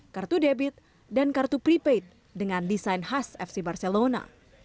kartu debit dan kartu prepaid dengan desain khas fc barcelona